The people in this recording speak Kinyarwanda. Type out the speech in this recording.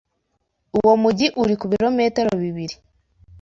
Uwo mujyi uri ku bilometero bibiri.